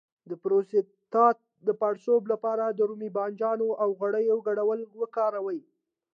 د پروستات د پړسوب لپاره د رومي بانجان او غوړیو ګډول وکاروئ